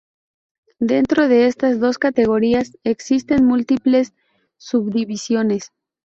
Dentro de estas dos categorías existen múltiples subdivisiones.